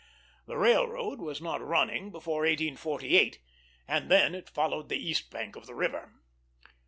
The railroad was not running before 1848, and then it followed the east bank of the river.